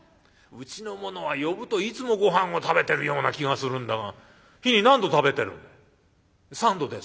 うちの者は呼ぶといつもごはんを食べてるような気がするんだが日に何度食べてるんだ？」。